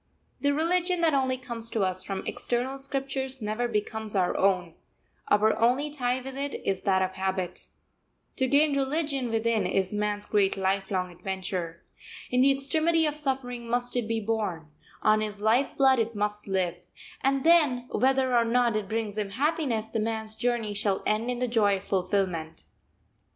The religion that only comes to us from external scriptures never becomes our own; our only tie with it is that of habit. To gain religion within is man's great lifelong adventure. In the extremity of suffering must it be born; on his life blood it must live; and then, whether or not it brings him happiness, the man's journey shall end in the joy of fulfilment.